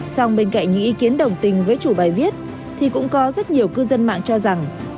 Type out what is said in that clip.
xong bên cạnh những ý kiến đồng tình với chủ bài viết thì cũng có rất nhiều cư dân mạng cho rằng